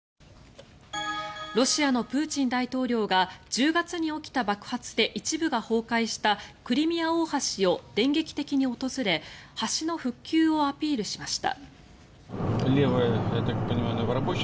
ロシアのプーチン大統領が１０月に起きた爆発で一部が崩壊したクリミア大橋を電撃的に訪れ橋の復旧をアピールしました。